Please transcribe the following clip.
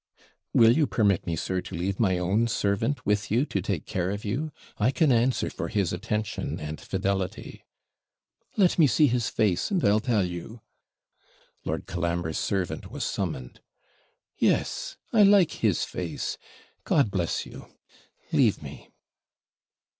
'Will you permit me, sir, to leave my own servant with you to take care of you? I can answer for his attention and fidelity.' 'Let me see his face, and I'll tell you.' Lord Colambre's servant was summoned. 'Yes, I like his face. God bless you! Leave me.'